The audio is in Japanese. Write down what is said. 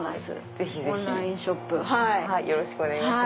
ぜひぜひよろしくお願いします。